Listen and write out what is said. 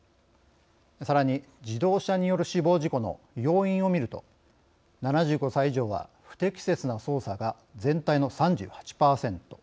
さらに自動車による死亡事故の要因を見ると７５歳以上は不適切な操作が全体の３８％。